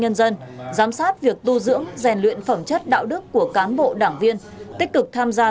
nhân dân giám sát việc tu dưỡng rèn luyện phẩm chất đạo đức của cán bộ đảng viên tích cực tham gia